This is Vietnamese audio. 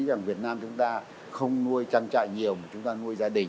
rằng việt nam chúng ta không nuôi trang trại nhiều mà chúng ta nuôi gia đình